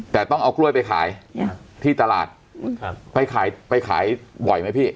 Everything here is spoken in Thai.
แต่ต้องเอากล้วยไปขายที่ตลาดไปขายบ่อยมั้ยพี่